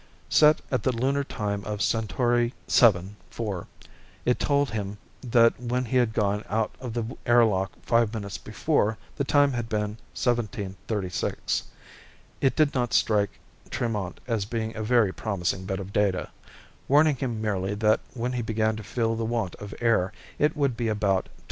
Set at the lunar time of Centauri VII 4, it told him that when he had gone out of the airlock five minutes before the time had been 17:36. It did not strike Tremont as being a very promising bit of data warning him merely that when he began to feel the want of air, it would be about 21:30.